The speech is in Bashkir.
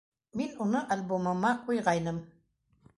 Мин уны... альбомыма ҡуйғайным!..